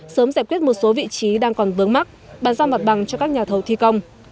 sớm giải quyết một số vị trí đang còn vướng mắt bàn giao mặt bằng cho các nhà thầu thi công